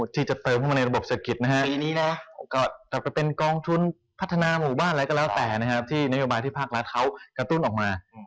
ที่จะเติมมาในระบบเศรษฐกิจถัดไปเป็นกองทุนพัฒนาหมู่บ้านแล้วก็แล้วแต่ที่นโยบายที่ภาครัฐเขากระตุ้นออกมา